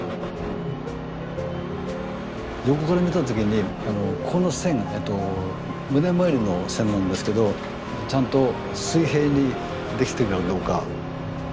横から見た時にこの線が胸回りの線なんですけどちゃんと水平にできてるかどうか。